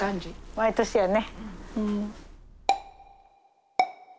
毎年やね。